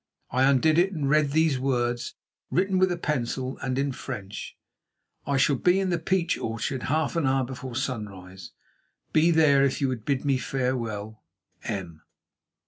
I undid it and read these words, written with a pencil and in French:— "I shall be in the peach orchard half an hour before sunrise. Be there if you would bid me farewell.—M."